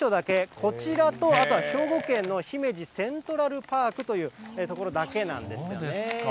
こちらとあとは兵庫県の姫路セントラルパークという所だけなんですよね。